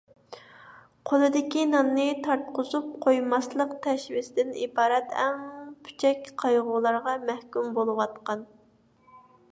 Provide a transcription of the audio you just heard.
«قولىدىكى ناننى تارتقۇزۇپ قويماسلىق» تەشۋىشىدىن ئىبارەت ئەڭ پۈچەك قايغۇلارغا مەھكۇم بولۇۋاتقان.